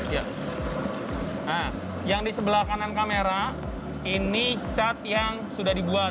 nah yang di sebelah kanan kamera ini cat yang sudah dibuat